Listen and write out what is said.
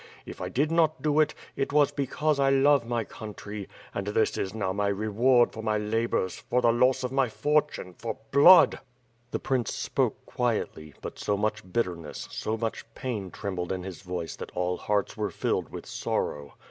If I did not do it, it was because I love my country; and this is now my reward for my labors, for the loss of my fortune, for blood ..." The prince spoke quietly; but so much bitterness, so much 364 WITH FIRE AND SWORD. pain trembled in his voice that all hearts were filled with sorrow.